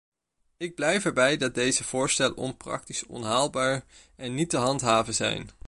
Ik blijf erbij dat deze voorstellen onpraktisch, onhaalbaar en niet te handhaven zijn.